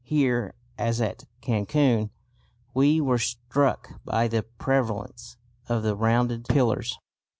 Here, as at Cancun, we were struck by the prevalence of the rounded pillars.